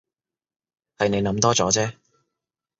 係你諗多咗啫